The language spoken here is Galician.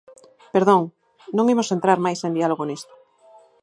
¡Perdón!, non imos entrar máis en diálogo nisto.